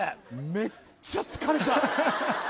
めっちゃ疲れた。